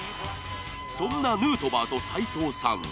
そんなヌートバーと斎藤さん